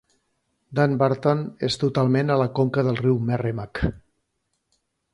Dunbarton és totalment a la conca del riu Merrimack.